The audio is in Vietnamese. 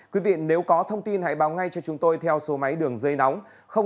quý vị nếu có thông tin hãy báo ngay cho chúng tôi theo số máy đường dây nóng